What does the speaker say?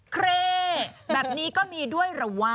เครแบบนี้ก็มีด้วยเหรอวะ